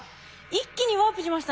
一気にワープしましたね。